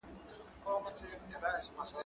فکر د زده کوونکي له خوا کيږي؟!